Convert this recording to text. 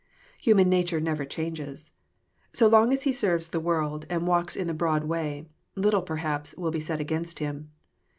Human nature never changes. So long as he serves the world, and walks in the broad way, little perhaps will be said against him.